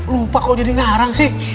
lupa kok jadi ngarang sih